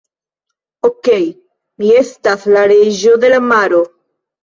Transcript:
Okej. Mi estas la reĝo de la maro.